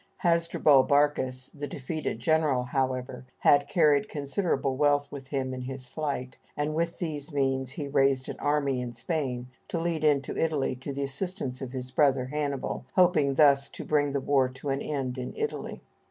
Hasdrubal Barcas, the defeated general, however, had carried considerable wealth with him in his flight, and with these means he raised an army in Spain, to lead into Italy to the assistance of his brother Hannibal, hoping thus to bring the war to an end in Italy.